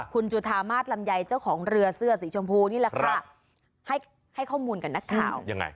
คุณจุธามาสลำไยเจ้าของเรือเสื้อสีชมพูนี่แหละค่ะให้ให้ข้อมูลกับนักข่าวยังไง